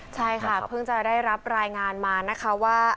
ใช่ค่ะเพิ่งจะได้รับรายงานมานะคะว่า